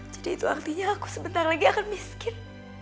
jadi itu artinya aku sebentar lagi akan miskin